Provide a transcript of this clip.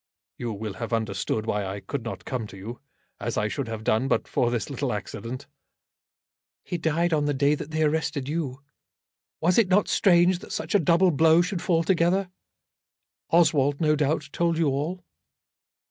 "You will have understood why I could not come to you, as I should have done but for this little accident." "He died on the day that they arrested you. Was it not strange that such a double blow should fall together? Oswald, no doubt, told you all."